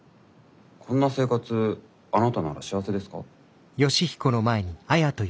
こんな生活あなたなら幸せですか？